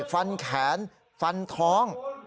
ฟันแขนฟันท้อง